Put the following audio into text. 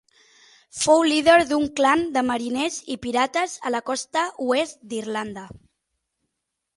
Fou líder d'un clan de mariners i pirates a la costa oest d'Irlanda.